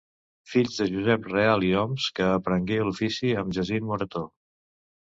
Fills de Josep Real i Homs, que aprengué l'ofici amb Jacint Moretó.